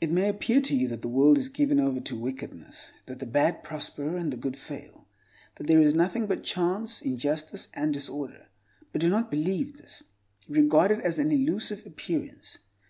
It may appear to you that the world is given over to wickedness; that the bad prosper, and the good fail; that there is nothing but chance, injustice, and disorder. But do not believe this: regard it as an elusive appearance.